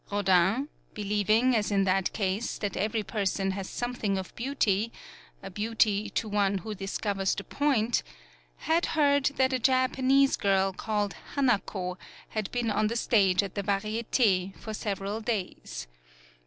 Rodin believing, as in that case, that every person has something of beauty a beauty to one who discovers the point had heard that a Japanese girl called Hanako, had been on the stage at the Variete, for several days.